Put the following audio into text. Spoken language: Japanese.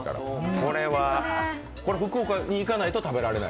これは福岡に行かないと食べられない？